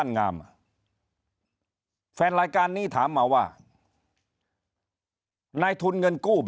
ในทุนเงินกู้